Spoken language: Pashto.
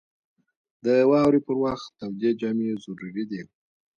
• د واورې پر وخت تودې جامې ضروري دي.